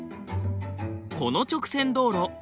この直線道路